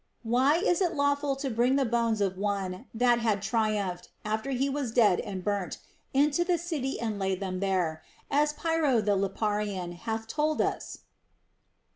Why was it lawful to bring the bones of one that had triumphed (after he was dead and burnt) into the city and lay them there, as Pyrrho the Liparaean hath told us